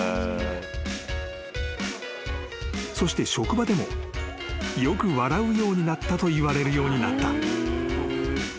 ［そして職場でもよく笑うようになったと言われるようになった］